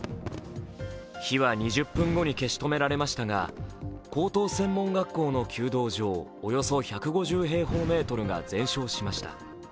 火は２０分後に消し止められましたが高等専門学校の弓道場およそ１５０平方メートルが全焼しました。